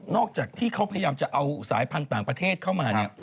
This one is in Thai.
นอกจากเขาพยายามจะเอาสายพันธุ์ต่างประเทศเข้ามา